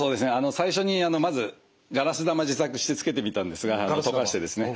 最初にまずガラス玉自作してつけてみたんですが溶かしてですね。